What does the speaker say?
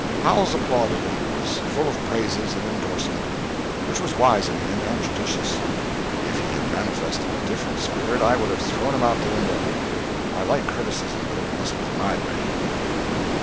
Howells applauded, and was full of praises and endorsement, which was wise in him and judicious. If he had manifested a different spirit, I would have thrown him out of the window. I like criticism, but it must be my way.